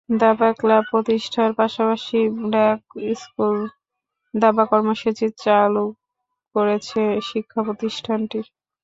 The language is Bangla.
দাবা ক্লাব প্রতিষ্ঠার পাশাপাশি ব্র্যাক স্কুল দাবা কর্মসূচি চালু করেছে শিক্ষাপ্রতিষ্ঠানটি।